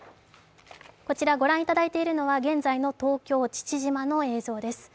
こちらご覧いただいているのは現在の東京・父島の映像です。